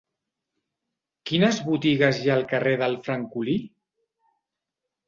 Quines botigues hi ha al carrer del Francolí?